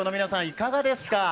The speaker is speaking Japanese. いかがですか？